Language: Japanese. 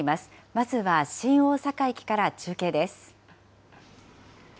まずは新大阪駅から中継です。